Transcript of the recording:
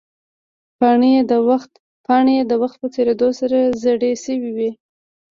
پاڼې یې د وخت په تېرېدو سره زیړې شوې وې.